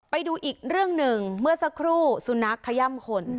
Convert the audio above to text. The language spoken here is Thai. ไปดูอีกเรื่องหนึ่งเมื่อสักครู่สุนัขขย่ำคน